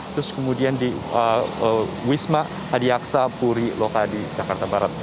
terus kemudian di wisma hadi aksa puri lokal di jakarta barat